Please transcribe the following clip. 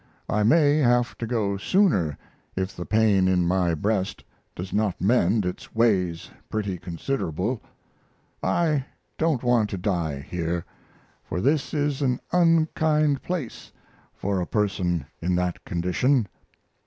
I may have to go sooner if the pain in my breast does not mend its ways pretty considerable. I don't want to die here, for this is an unkind place for a person in that condition.